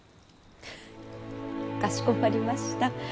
フッかしこまりました。